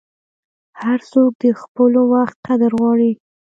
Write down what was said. هر څوک د خپل وخت قدر غواړي.